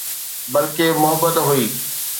بلڪه محبت هئي